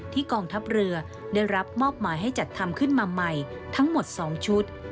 กองทัพเรือได้รับมอบหมายให้จัดทำขึ้นมาใหม่ทั้งหมด๒ชุด